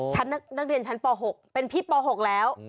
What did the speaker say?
นักเรียนชั้นป๖เป็นพี่ป๖แล้ว